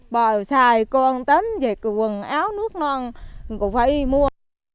bò xài cơm tấm quần áo nước non cũng phải mua